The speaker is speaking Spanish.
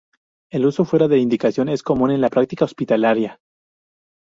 El uso fuera de indicación es común en la práctica hospitalaria.